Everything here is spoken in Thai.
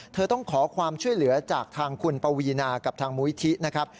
เธอต้องขอความช่วยเหลือจากทางคุณปวีนากับทางมูลิธินะครับ